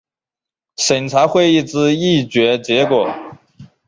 审查会议之议决结果